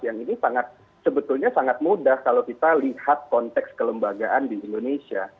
yang ini sebetulnya sangat mudah kalau kita lihat konteks kelembagaan di indonesia